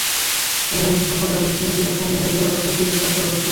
এভাবে সে সম্প্রদায়ের একজন নেতৃস্থানীয় ব্যক্তিরূপে আত্মপ্রকাশ করে।